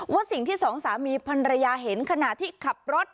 สิ่งที่สองสามีพันรยาเห็นขณะที่ขับรถ